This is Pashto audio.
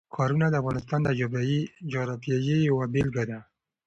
ښارونه د افغانستان د جغرافیې یوه بېلګه ده.